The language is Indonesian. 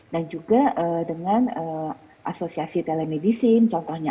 dan juga dengan asosiasi telemedicine contohnya